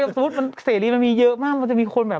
สมมุติมันเสรีมันมีเยอะมากมันจะมีคนแบบ